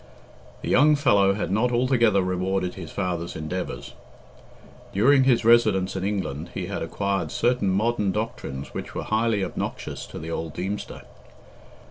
The young fellow had not altogether rewarded his father's endeavours. During his residence in England, he had acquired certain modern doctrines which were highly obnoxious to the old Deemster.